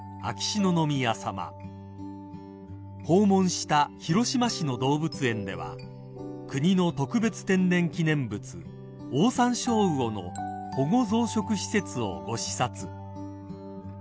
［訪問した広島市の動物園では国の特別天然記念物オオサンショウウオの保護増殖施設をご視察］